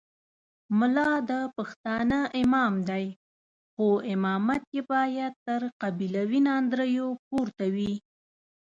ملا د پښتانه امام دی خو امامت یې باید تر قبیلوي ناندریو پورته وي.